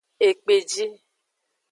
Ekpeji.